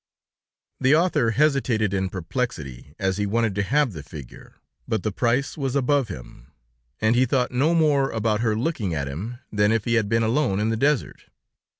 The author hesitated in perplexity, as he wanted to have the figure, but the price was above him, and he thought no more about her looking at him than if he had been alone in the desert.